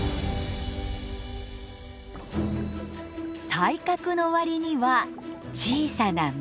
体格のわりには小さな目。